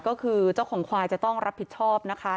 ก็คือเจ้าของควายจะต้องรับผิดชอบนะคะ